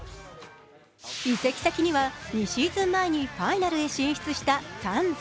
移籍先には２シーズン前にファイナルへ進出したサンズ。